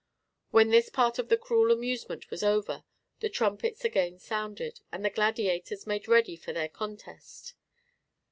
When this part of the cruel amusement was over the trumpets again sounded, and the gladiators made ready for their contest.